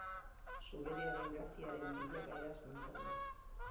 Zubereraren grafiaren bilakaeraz mintzatu da.